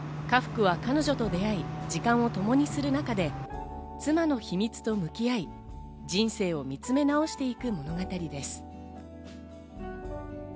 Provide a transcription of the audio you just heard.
家福は彼女と出会い、時間をともにする中で妻の秘密と向き合い、人生を見つめ直していく物語です。